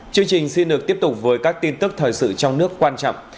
chương trình xin được tiếp tục với các tin tức thời sự trong nước quan trọng